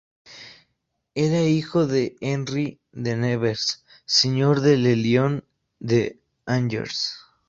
Era hijo de Henri de Nevers, señor de Le Lion-d'Angers.